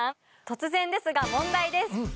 突然ですが問題です。